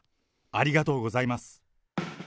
ありがとうございます。